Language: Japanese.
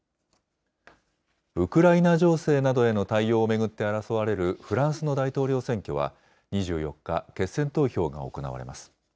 ウクライナ情勢などへの対応を巡って争われるフランスの大統領選挙は、２４日、決選投票が行われます。